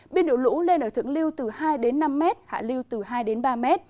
biên độ lũ lên ở thượng lưu từ hai năm m hạ lưu từ hai ba m